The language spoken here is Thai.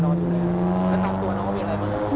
แล้วตามตัวน้องมีอะไรบ้าง